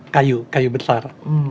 kayu kayu besar